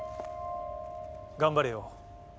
頑張れよ